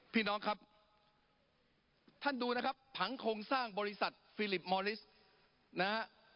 พี่น้องครับท่านดูนะครับผังโครงสร้างบริษัทฟิลิปมอลิสนะฮะ